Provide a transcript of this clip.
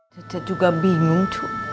cece juga bingung cu